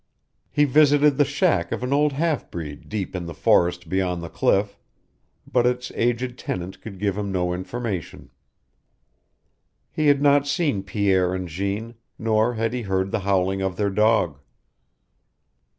He visited the shack of an old half breed deep in the forest beyond the cliff, but its aged tenant could give him no information. He had not seen Pierre and Jeanne, nor had he heard the howling of their dog.